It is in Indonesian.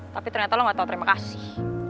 tapi ternyata lo gak tau terima kasih